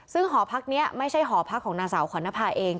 ซึ่งหอพักนี้ไม่ใช่หอพักของนางสาวขวัญนภาเอง